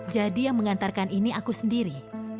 jadi yang mengantarkan ini aku sendiri